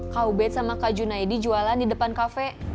kau bed sama kak junaidi jualan di depan kafe